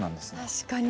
確かに。